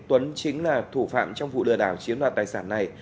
tuấn chính là thủ phạm trong vụ lừa đảo chiếm đoạt tài sản này